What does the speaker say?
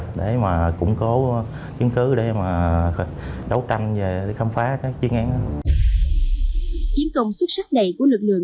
có những chứng cứ để mà đấu tranh về để khám phá các chuyên án chiến công xuất sắc này của lực lượng